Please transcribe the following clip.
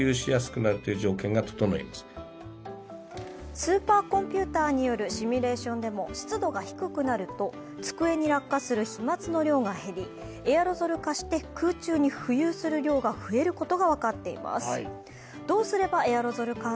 スーパーコンピュータによるシミュレーションでも湿度が低くなると、机に落下する飛まつの量が減りエアロゾル化して空中に浮遊する量が増えることが分かっています。